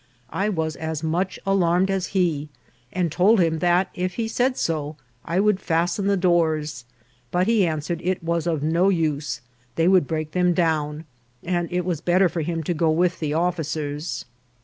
I was as much alarmed as he, and told him that if he said so I would fasten the doors ; but he answered it was of no use ; they would break them down ; and it was better for him to go with the officers.